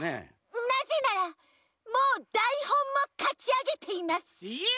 なぜならもうだいほんもかきあげています！え！？